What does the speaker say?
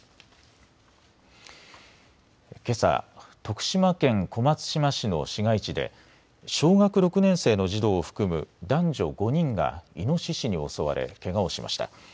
けさ、徳島県小松島市の市街地で小学６年生の児童を含む男女５人がイノシシに襲われけがをしました。